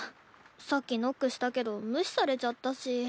さっきノックしたけど無視されちゃったし。